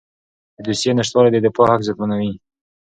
د دوسیې نشتوالی د دفاع حق زیانمنوي.